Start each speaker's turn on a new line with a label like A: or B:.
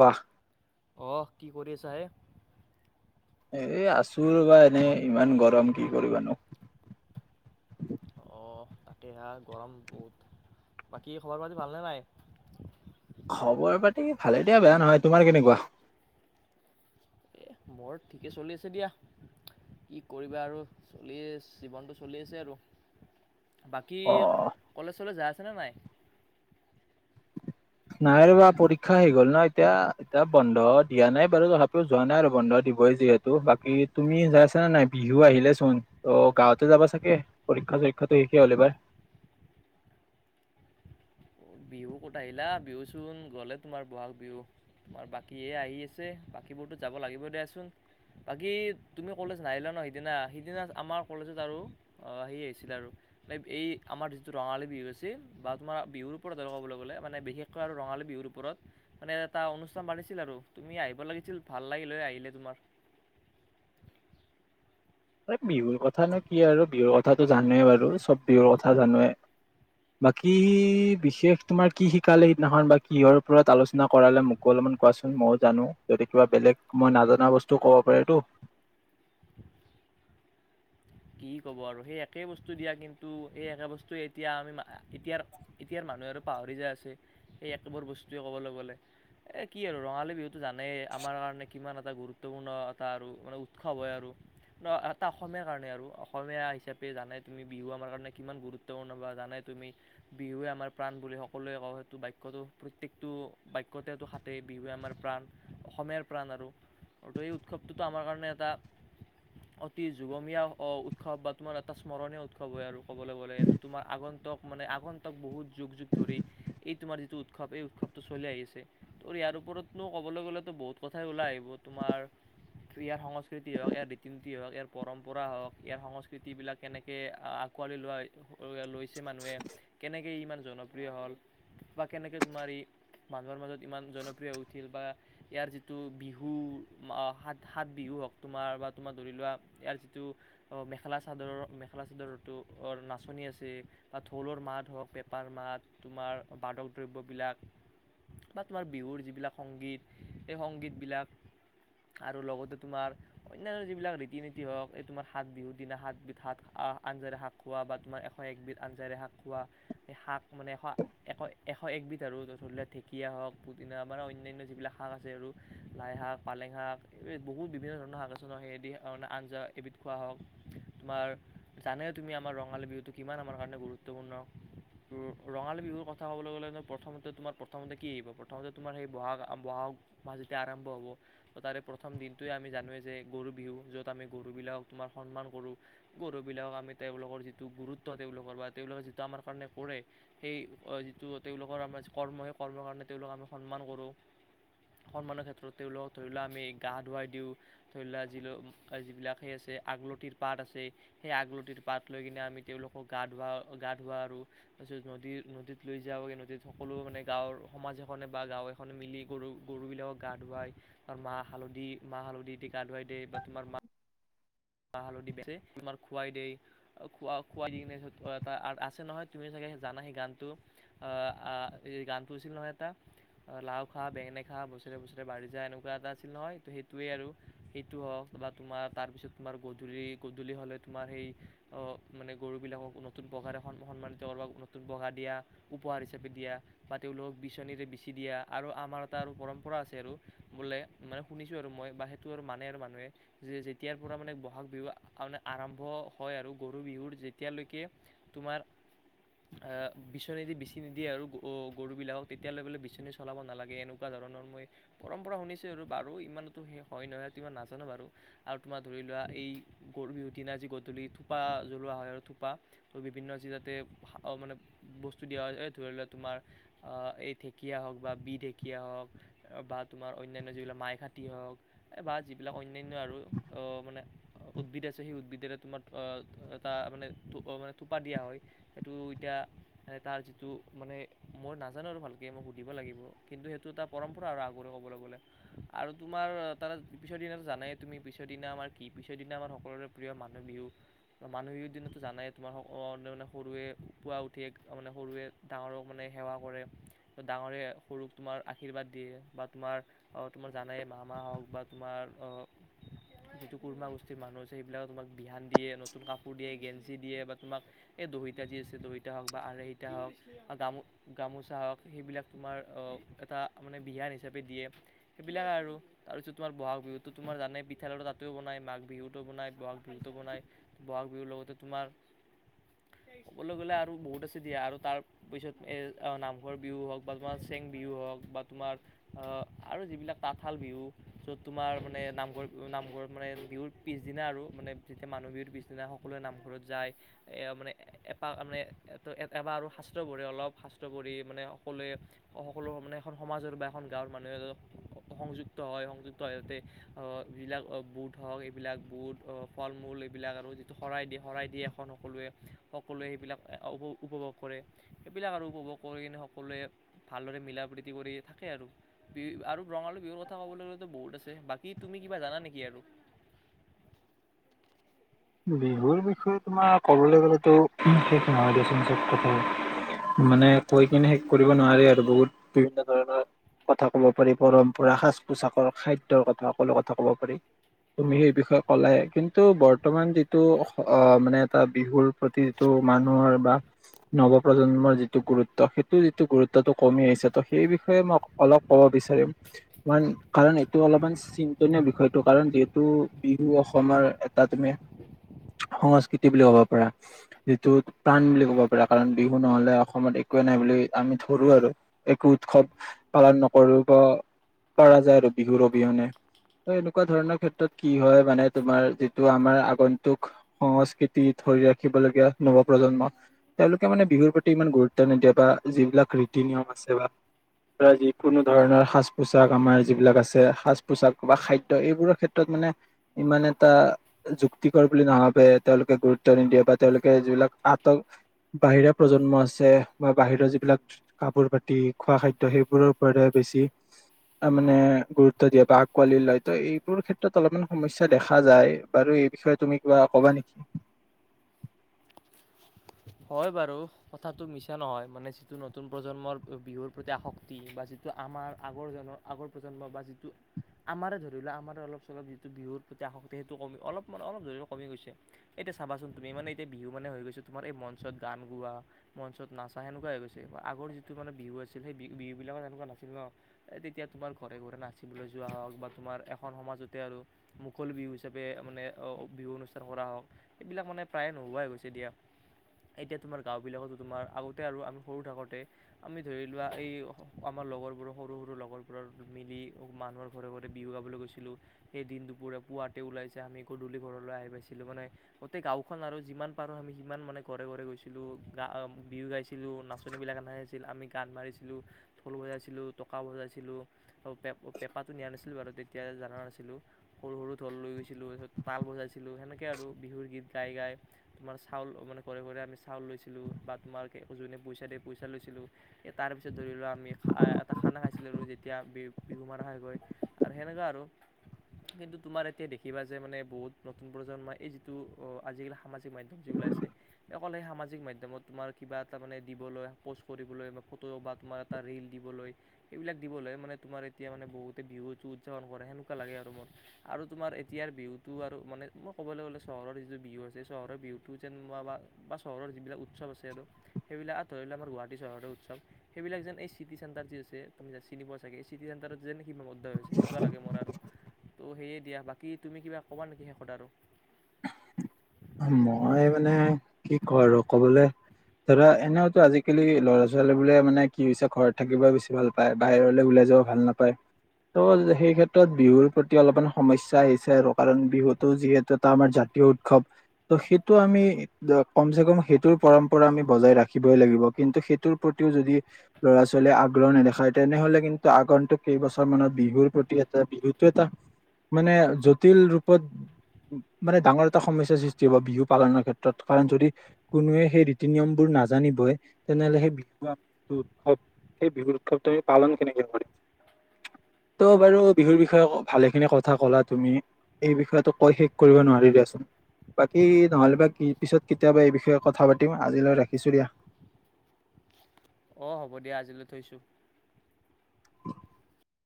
A: কোৱা
B: অ' কি কৰি আছাহে
A: এ আছো ৰ'বা এনেই ইমান গৰম কি কৰিবানো।
B: অ' তাকে সেয়া গৰম বহুত বাকী খবৰ পাতি ভালনে নাই
A: খবৰ পাতি ভালে দিয়া বেয়া নহয়। তোমাৰ কেনেকুৱা
B: এ মোৰ ঠিকে চলি আছে দিয়া। কি কৰিবা আৰু চলি জীৱনটো চলি আছে আৰু।
A: [inaudible]
B: বাকী
A: অ'
B: কলেজ চলেজ যায় আছানে নাই
A: নাই ৰ'বা পৰীক্ষা হৈ গ'ল ন এতিয়া এতিয়া বন্ধ দিয়া নাই বাৰু তথাপিও যোৱা নাই আৰু বন্ধ দিবই যিহে- তু বাকী তুমি যাই আছানে নাই বিহু আহিলেচোন অ গাঁৱতে যাবা চাগে। পৰীক্ষা চৰীক্ষাতো শেষেই হ'ল এইবাৰ।
B: বিহু ক'ত আহিলা বিহুচোন গ'লে তোমাৰ বহাগ বিহু। তোমাৰ বাকীহে আহি আছে বাকীবোৰতো যাব লাগিব দিয়াচোন। বাকী তুমি কলেজ নাহিলা ন' সিদিনা সিদিনা আমাৰ কলেজত আৰু অ' সেই আহিছিলে আৰু এই আমাৰ যিটো ৰঙালী বিহু আছিল বা তোমাৰ বিহুৰ ওপৰত কবলৈ গ'লে মানে বিশেষকৈ আৰু ৰঙালী বিহুৰ ওপৰত। মানে এটা অনুষ্ঠান পাতিছিল আৰু তুমি আহিব লাগিছিল ভাল লাগিল হয় আহিলে তোমাৰ।
A: এই বিহুৰ কথানো কি আৰু বিহুৰ কথাতো জানোৱে বাৰু চব বিহুৰ কথা জানোৱে। বাকী বিশেষ তোমাৰ কি শিকালে সিদিনাখন বা কিহৰ ওপৰত আলোচনা কৰালে মোকো অলপমান কোৱাচোন মইও জানো যদি কিবা বেলেগ মই নাজানা বস্তু ক'ব পাৰেতো।
B: [inaudible] কি ক'ব আৰু সেই একেই বস্তু দিয়া কিন্তু সেই একে বস্তুৱে এতিয়া আমি এতিয়াৰ এতিয়াৰ মানুহে আৰু পাহৰি যায় আছে, সেই একেবোৰ বস্তুৱে ক'বলৈ গ'লে। এ, কি আৰু ৰঙালী বিহুটো জানেই আমাৰ কাৰণে কিমান এটা গুৰুত্বপূৰ্ণ এটা আৰু মানে উৎসৱ হয় আৰু। ন' এটা অসমীয়াৰ কাৰণে আৰু। অসমীয়া হিচাপে জানাই তুমি বিহু আমাৰ কাৰণে কিমান গুৰুত্বপূৰ্ণ বা জানাই তুমি বিহুৱে আমাৰ প্ৰাণ বুলি সকলোৱে কওঁ, সেইটো বাক্যটো প্ৰত্যেকটো বাক্যতেতো হাতে বিহুৱে আমাৰ প্ৰাণ। অসমীয়াৰ প্ৰাণ আৰু আৰু ত' এই উৎসৱটোতো আমাৰ কাৰণে এটা অতি যুগমীয়া অ' উৎসৱ বা তোমাৰ এটা স্মৰণীয় উৎসৱ হয় আৰু ক'বলৈ গ'লে এইটো তোমাৰ আগন্তক মানে আগন্তক বহুত যুগ যুগ ধৰি এই তোমাৰ যিটো উৎসৱ এই উৎসৱটো চলি আহিছে। ত' ইয়াৰ ওপৰতনো ক'বলৈ গ'লেতো বহুত কথাই ওলাই আহিব, তোমাৰ ইয়াৰ সংস্কৃতি হওঁক, ইয়াৰ ৰীতি নীতি হওঁক, ইয়াৰ পৰম্পৰা হওঁক। ইয়াৰ সংস্কৃতিবিলাক কেনেকে আঁকোৱালি লোৱা লৈছে মানুহে। কেনেকে ইমান জনপ্ৰিয় হ'ল বা কেনেকে তোমাৰ ই মানুহৰ মাজত ইমান জনপ্ৰিয় উঠিল বা ইয়াৰ যিটো বিহু মাহ সাত সাত বিহু হওঁক তোমাৰ বা তোমাৰ ধৰি লোৱা ইয়াৰ যিটো অ', মেখেলা চাদৰৰ মেখেলা চাদৰটো নাচনি আছে। বা ঢোলৰ মাত হওঁক, পেঁপাৰ মাত তোমাৰ বাদক দ্ৰব্যবিলাক। বা তোমাৰ বিহুৰ যিবিলাক সংগীত সেই সংগীতবিলাক। আৰু লগতে তোমাৰ অন্যান্য যিবিলাক ৰীতি নীতি হওঁক এই তোমাৰ সাতবিহুৰ দিনা সাতবিধ আঞ্জাৰে শাক খোৱা বা তোমাৰ এশ একবিধ আঞ্জাৰে শাক খোৱা। এ শাক মানে এশ এশ এশ একবিধ আৰু ধৰি লওক ঢেঁকীয়া হওঁক, পুদিনা আমাৰ অন্যান্য যিবিলাক শাক আছে আৰু লাই শাক, পালেং শাক এই বহুত বিভিন্ন ধৰণৰ শাক আছে সেই দি আঞ্জা এবিধ খোৱা হওঁক তোমাৰ জানেই তুমি আমাৰ ৰঙালী বিহুটো কিমান আমাৰ কাৰণে গুৰুত্বপূৰ্ণ। তোৰ ৰঙালী বিহুৰ কথা ক'বলৈ গ'লে চোন প্ৰথমতে তোমাৰ প্ৰথমতে কি আহিব প্ৰথমতে তোমাৰ সেই বহাগ বহাগ মাজতে আৰম্ভ হ'ব ত' তাৰে প্ৰথম দিনটোৱে আমি জানোৱেই যে গৰু বিহু য'ত আমি গৰুবিলাক তোমাৰ সন্মান কৰোঁ। গৰুবিলাক আমি তেওঁলোকৰ যিটো গুৰুত্ব তেওঁলোকৰ বা তেওঁলোকে যিটো আমাৰ কাৰণে কৰে। সেই অ', যিটো তেওঁলোকৰ আমাৰ কৰ্ম সেই কৰ্ম কাৰণে তেওঁলোক আমি সন্মান কৰোঁ। সন্মানৰ ক্ষেত্ৰত তেওঁলোকক ধৰি লোৱা আমি গা ধুৱাই দিওঁ। ধৰিলোৱা আজিলো আ যিবিলাক সেই আছে। আগলতিৰ পাত আছে, সেই আগলতিৰ পাত লৈ কিনে তেওঁলোকক গা ধোৱা, গা ধোৱা আৰু তাৰপিছত নদী নদীত লৈ যাবগে নদীত সকলো মানে গাঁৱৰ সমাজ এখনে বা গাঁৱে এখনে মিলি গৰু গৰুবিলাকক গা ধুৱাই। তাৰ মাহ হালধি, মাহ হালধি দি গা ধুৱাই দে বা তোমাৰ মা মা হালধি পিচে তোমাক খোৱাই দেই। অ', খোৱা খুৱাই দি কিনে আছে নহয় তুমি চাগে জানা সেই গানটো। আ, আ এই গান আছিল নহয় এটা। অ', লাও খা বেঙেনা খা বছৰে বছৰে বাঢ়ি যা এনেকুৱা এটা আছিল নহয় ত' সেইটোৱে আৰু। সেইটো হওঁক তাপা‌ তোমাৰ তাৰপিছত তোমাৰ গধূলি গধূলি হ'লে তোমাৰ সেই অ', মানে গৰুবিলাকক নতুন পঘাৰে সন-সন্মানিত [unintelligible] পঘা দিয়া, উপহাৰ হিচাপে দিয়া। বা তেওঁলোকক বিচনীৰে বিচি দিয়া আৰু আমাৰ এটা আৰু পৰম্পৰা আছে আৰু বোলে মানে শুনিছো আৰু মই বা সেইটো আৰু মানে আৰু মানুহে যে যেতিয়াৰ পুৰা মানে ব'হাগ বিহু মানে আৰম্ভ হয় আৰু গৰু বিহুৰ যেতিয়ালৈকে তোমাৰ অহ, বিচনীদি বিচি নিদিয়ে আৰু গৰুবিলাকক তেতিয়ালৈ বোলে বিচনী চলাব নালাগে এনেকুৱা ধৰণৰ মই পৰম্পৰা শুনিছো আৰু বাৰু ইমানতো হে হয় নহয় তিমান নাজানো বাৰু আৰু তোমাৰ ধৰি লোৱা এই গৰু বিহু দিনা যি গধূলি থোপা জ্বলোৱা হয় আৰু থোপা। তো বিভিন্ন জিলাতে অ', মানে বস্তু দিয়া হয় এই ধৰি লোৱা তোমাৰ অ', এই ঢেঁকীয়া হওঁক বা বিহ ঢেঁকীয়া হওঁক। অ', বা তোমাৰ অন্যান্য যিবিলাক মাই খাতি হওঁক বা যিবিলাক অন্যান্য আৰু অ', মানে অ', উদ্ভিদ আছে সেই উদ্ভিদৰে তোমাৰ অহ, এটা মানে থো থোপা দিয়া হয়। সেইটো এতিয়া মানে তাৰ যিটো মানে মই নাজানোঁ আৰু ভালকে মোক সুধিব লাগিব কিন্তু সেইটো এটা পৰম্পৰা আৰু আগুৰি ক'বলৈ গ'লে আৰু তোমাৰ তাৰ পিছৰ দিনা জানাই তুমি পিছৰ দিনা আমাৰ কি পিছৰ দিনা আমাৰ সকলোৰে প্ৰিয় মানুহ বিহু মানুহৰ বিহুৰ দিনাতো জানাই তোমাৰ সকল মানে সৰুৱে পুৱা উঠে তাৰ মানে সৰুৱে ডাঙৰক মানে সেৱা কৰে ত ডাঙৰে সৰুক তোমাৰ আশীৰ্বাদ দিয়ে বা তোমাৰ আৰু তোমাৰ জানে মামা হওঁক বা তোমাৰ যিটো কুুৰৰ্মা গোষ্ঠীৰ মানুহ আছে সেইবিলাক তোমাক বিহান দিয়ে নতুন কাপোৰ দিয়ে গেঞ্চি দিয়ে বা তোমাক এই দহিতা যি আছে দহিতা হওঁক বা আঢ়েহিটা হওঁক গামো গামোচা হওঁক সেইবিলাক তোমাৰ অ', এটা মানে বিহান হিচাপে দিয়ে। সেইবিলাক আৰু তাৰপিছত তোমাৰ ব'হাগ বিহুটো তোমাৰ জানেই পিঠা লাৰু তাতেও বনাই মাঘ বিহুতো বনাই ব'হাগ বিহুতো বনাই ব'হাগ বিহুৰ লগতে তোমাৰ ক'বলৈ গ'লে আৰু বহুত আছে দিয়া আৰু তাৰ ত পিছত এ নামঘৰ বিহু হওঁক বা তোমাৰ চেং বিহু হওঁক বা তোমাৰ অ', আৰু যিবিলাক তাঁতশাল বিহু য'ত তোমাৰ মানে নামঘৰ নামঘৰত মানে বিহুৰ পিছদিনা আৰু মানে যেতিয়া মানুহ বিহুৰ পিছদিনা সকলোৱে নামঘৰত যায় এ মানে [unintelligible] এপাক মানে এবাৰ আৰু শাস্ত্ৰ ভৰে অলপ শাস্ত্ৰ পৰি মানে সকলোৱে সকলো মানে এখন সমাজৰ বা এখন গাঁৱৰ মানুহে সংযুক্ত হয় সংযুক্ত হয় যাতে অ' যিবিলাক বুট হওঁক এইবিলাক বুট ফল- মূল এইবিলাক আৰু যিটো শৰাই দিয়ে শৰাই দিয়ে এখন সকলোৱে সকলোৱে সেইবিলাক উপ উপভোগ কৰে সেইবিলাক আৰু উপভোগ কৰি কিনে সকলোৱে ভালদৰে মিলা প্ৰীতি তি কৰি থাকে আৰু বি আৰু ৰঙালী বিহুৰ কথা ক'বলৈ গ'লেতো বহুত আছে বাকী তুমি কিব জানা নেকি আৰু।
A: বিহুৰ বিষয়ে তোমাৰ কবলৈ গ'লে তো শেষ নহয় দিয়াচোন চব কথা। মানে কৈ কিনে শেষ কৰিব নোৱাৰি আৰু বহুত বিভিন্ন ধৰণৰ কথা কব পাৰি পৰম্পৰা সাজ পোছাকৰ খাদ্যয়ৰ কথা সকলো কথা কব পাৰি। তুমি সেই বিষয়ে ক'লে কিন্তু বৰ্তমান যিটো অ‌', মানে এটা বিহুৰ প্ৰতিটো মানুহৰ বা নৱ প্ৰজন্মৰ যি গুৰুত্ব সেইটো যিটো গুৰুত্বটো কমি আহিছে ত সেই বিষয়ে মই অলপ ক'ব বিচাৰিম কাৰণ, কাৰণ এইটো অলপমান চিন্তনীয় বিষয়টো কাৰণ যিহেতু বিহু অসমৰ এটাত তুমি সংস্কৃতি বুলি ক'ব পাৰা। যিটো প্ৰাণ বুলি ক'ব পাৰা কাৰণ বিহু নহ'লে অসমত একোৱে নাই বুলি আমি ধৰো আৰু। একো উৎসৱ পালন নকৰো পৰা যায় আৰু বিহুৰ অবিহনে। ত এনেকুৱা ধৰণৰ ক্ষেত্ৰত কি হয় মানে তোমাৰ ত আমাৰ আগন্তুক সংস্কৃতি ধৰি ৰাখিবলগীয়া নৱ প্ৰজন্ম তেওঁলোকে মানে বিহুৰ প্ৰতি ইমান গুৰুত্ব নিদিয়া বা যিবিলাক ৰীতি নিয়ম আছে বা যি কোনো ধৰণৰ সাজ পোছাক আমাৰ যিবিলাক আছে সাজ পোচাক বা খাদ্য এইবোৰৰ ক্ষেত্ৰত মানে ইমান এটা যুক্তিকৰ বুলি নাভাবে তেওঁলোকে গুৰুত্ব নিদিয়ে বা তেওঁলোকে যিবিলাক আট বাহিৰা প্ৰজন্ম আছে বা বাহিৰৰ যিবিলাক কাপোৰ পাতি খোৱা খাদ্য সেইবোৰৰ ওপৰত বেছি ত মানে গুৰুত্ব দিয়ে বা আকোৱালি লয় ত' এইবোৰ ক্ষেত্ৰত অলপমান সমস্যা দেখা যায়। বাৰু এই বিষয়ে তুমি কিবা ক'বা নেকি? [inaudible]
B: হয় বাৰু কথাটো মিছা নহয়, মানে যিটো নতুন প্ৰজন্মৰ বিহুৰ প্ৰতি আসক্তি বা যিটো ত আমাৰ আগৰজনৰ আগৰ প্ৰজন্ম বা যিটো আমাৰে ধৰি লও আমাৰ অলপ চলপ যিটো বিহুৰ প্ৰতি আসক্তি সেইটো কমি অলপ মানে অলপ ধৰি লও কমি গৈছে এতিয়া চাবাচোন তুমি মানে এতিয়া বিহু মানে হৈ গৈছো তোমাৰ এই মঞ্চত গান গোৱা মঞ্চত নাচা সেনেকুৱা হৈ গৈছে আগৰ যিটো মানে বিহু আছিল সেই বিহু বিলাকত এনেকুৱা নাছিল ন এ তেতিয়া তোমাৰ ঘৰে ঘৰে নাচিবলৈ যোৱা হওক বা তোমাৰ এখন সমাজতে আৰু মুকলি বিহু হিচাপে মানে অ বিহু অনুষ্ঠান কৰা হওক সেইবিলাক মানে প্ৰায়ে নোহোৱাই হৈছে দিয়া এতিয়া তোমাৰ গাঁও বিলাকতো তোমাৰ আগতে আৰু আমি সৰু থাকোতে আমি ধৰি লোৱা এই আমাৰ লগৰবোৰৰ সৰু সৰু লগৰবোৰৰ মিলি মানুহৰ ঘৰে ঘৰে বিহু গাবলৈ গৈছিলোঁ সেই দিন দুপৰে পুৱাতে ওলাইছে আমি গধূলি ঘৰলৈ আহি পাইছিলো মানে গোটেই গাওঁখন আৰু যিমান পাৰোঁ আমি সিমান মানে ঘৰে ঘৰে গৈছিলোঁ, বিহু গাইছিলো নাচনীবিলাক [unintelligible] আমি গান মাৰিছিলোঁ। ঢোল বজাইছিলোঁ, টকা বজাইছিলোঁ পে পেঁপাটো নিয়া নাছিলোঁ বাৰু তেতিয়া জনা নাছিলোঁ। সৰু সৰু ঢোল লৈ গৈছিলো, তাল বজাইছিলো সেনেকে আৰু বিহু গীত গাই গাই। তোমাৰ চাউল মানে ঘৰে ঘৰে আমি চাউল লৈছিলোঁ বা তোমাৰ যোনে পইচা দিয়ে পইচা লৈছিলোঁ তাৰ পিছত ধৰিলোৱা আমি এটা খানা খাইছিলো যেতিয়া বি বিহু মাৰা হয়গে। হেনেকা আৰু। কিন্তু তোমাৰ এতিয়া দেখিবা যে মানে বহুত নতুন প্ৰজন্মই এই যিটো আজিকালি সামাজিক মাধ্যম যে ওলাইছে অকল হে সামাজিক মাধ্যমত তোমাৰ কিবা এটা মানে দিবলৈ প'ষ্ট কৰিবলৈ ফটো বা তোমাৰ এটা ৰিল দিবলৈ সেইবিলাক দিবলৈ মানে তোমাৰ এতিয়া মানে বহুতে বিহু উদযাপন কৰে সেনেকুৱা লাগে আৰু মোৰ। আৰু তোমাৰ এতিয়াৰ বিহুতো আৰু মানে মই ক'বলৈ গ'লে, চহৰৰ যিটো বিহু আছে যে চহৰৰ বিহুতো যেন বা চহৰৰ যিবিলাক উৎসৱ আছে আৰু সেইবিলাক ধৰি লোৱা আমাৰ গুৱাহাটী চহৰৰ উৎসৱ। সেইবিলাক যেন এই চিটি চেন্টাৰত যে আছে, তুমি চিনি পোৱা চাগে এই চিটি চেণ্টাৰত যেন কিবা মুদা হৈছে সেনেকুৱা লাগে মোৰ আৰু তো সেয়ে দিয়া, বাকী তুমি কিবা ক'বা নেকি শেষত আৰু?
A: মই মানে কি কওঁ আৰু কবলে ধৰা এনেওতো আজিকালি ল'ৰা ছোৱালী বোৰে মানে কি হৈছে ঘৰত থাকিব বেছি ভাল পায়, বাহিৰলৈ ওলাই যাব ভাল নাপায়। টো সেই ক্ষেত্ৰত বিহুৰ প্ৰতি অলপমান সমস্যা আহিছে আৰু কাৰণ বিহুতো যিহেতু এটা আমাৰ জাতীয় উৎসৱ ত' সেইটো আমি কমচে কম সেইটোৰ পৰম্পৰা আমি বজাই ৰাখিবই লাগিব, কিন্তু সেইটোৰ প্ৰতিও যদি ল'ৰা ছোৱালীয়ে আগ্ৰহ নেদেখায়, তেনেহলে কিন্তু আগন্তুক কেইবছৰ মানত বিহুৰ প্ৰতি এটা বিহু [unintelligible] এইটো এটা মানে জটিল ৰূপত মানে ডাঙৰ এটা সমস্যাৰ সৃষ্টি হ'ব বিহু পালনৰ ক্ষেত্ৰত, কাৰণ যদি কোনোৱে সেই ৰীতি নিয়মবোৰ নাজানিবই তেনেহ'লে সেই বিহু আমি যিটো উৎসৱ সেই বিহুৰ উৎসৱটো আমি পালন কেনেকে কৰিম। ত' বাৰু বিহুৰ বিষয়ে ভালে খিনি কথা ক'লা তুমি এই বিষয়োটোক কৈ শেষ কৰিব নোৱাৰি দিয়াচোন। বাকী নহ'লে বা পিছত কেতিয়াবা এই বিষয়ে কথা পাতিম আজিলৈ ৰাখিছো দিয়া।
B: অ', হ'ব দিয়া আজিলৈ থৈছো।
A: [unintelligible]